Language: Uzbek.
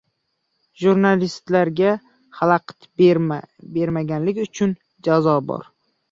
Jurnalistga xalaqit berganlik uchun jazo bor